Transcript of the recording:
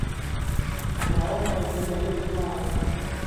A nawr mae fy mywyd yn wag.